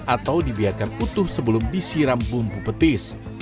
atau dibiarkan utuh sebelum disiram bumbu petis